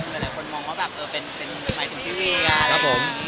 หลายคนมองว่าเป็นเหมือนกับพี่เวีย